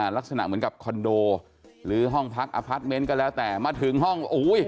ลักษณะเหมือนกับคอนโดหรือห้องพักอพาร์ทเมนต์ก็แล้วแต่มาถึงห้อง